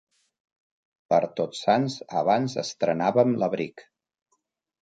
Per Tots Sants abans estrenàvem l'abric.